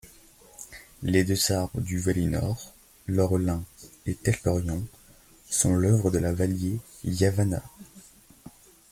Les Deux Arbres du Valinor, Laurelin et Telperion, sont l'œuvre de la Valië Yavanna.